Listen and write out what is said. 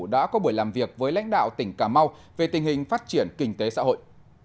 đã có buổi làm việc với lãnh đạo tỉnh cà mau về tình hình phát triển kinh tế xã hội